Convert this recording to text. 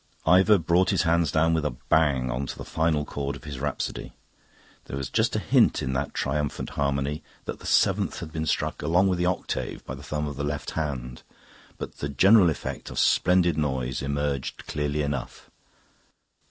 Ivor brought his hands down with a bang on to the final chord of his rhapsody. There was just a hint in that triumphant harmony that the seventh had been struck along with the octave by the thumb of the left hand; but the general effect of splendid noise emerged clearly enough.